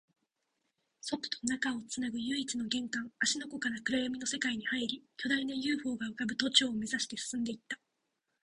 外と中をつなぐ唯一の玄関、芦ノ湖から暗闇の世界に入り、巨大な ＵＦＯ が浮ぶ都庁を目指して進んでいった